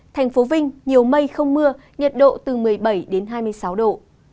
thành phố vinh nhiều mây không mưa nhiệt độ từ một mươi bảy đến hai mươi sáu độ